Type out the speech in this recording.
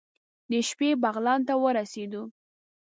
د شپې بغلان ته ورسېدو.